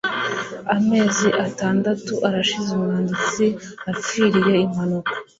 amezi atandatu arashize umwanditsi apfiriye impanuka